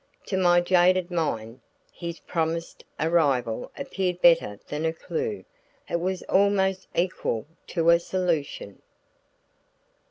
To my jaded mind his promised arrival appeared better than a clue it was almost equal to a solution.